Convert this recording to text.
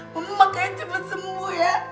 mama kayaknya cepat sembuh ya